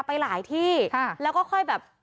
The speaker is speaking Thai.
ไปหลายที่แล้วก็ค่อยแบบ